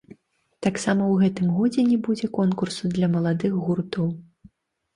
Таксама ў гэтым годзе не будзе конкурсу для маладых гуртоў.